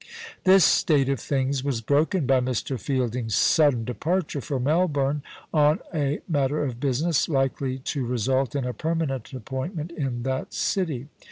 This state of things was broken by Mr. Fielding's sudden departure for Melbourne on a matter of business, likely to result in a permanent appointment in that city.